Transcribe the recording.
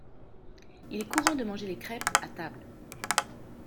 Il est courant de manger les crêpes à table.